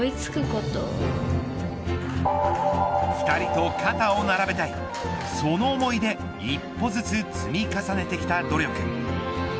２人と肩を並べたいその思いで一歩ずつ積み重ねてきた努力。